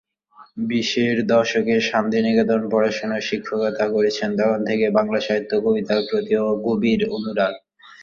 বিশের দশকে শান্তিনিকেতনে পড়াশোনা ও শিক্ষকতা করেছেন তখন থেকেই বাংলা সাহিত্য ও কবিতার প্রতি গভীর অনুরাগ।